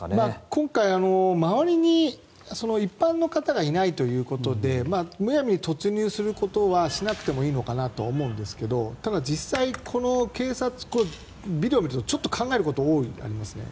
今回は周りに一般の方がいないということでむやみに突入することはしなくてもいいのかなと思うんですがただ、実際、ビデオを見るとちょっと考えることが大いにありますね。